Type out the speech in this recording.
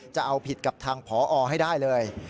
จะเอาผิดกับทางพอให้ได้เลย